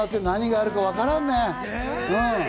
何があるかわからんね。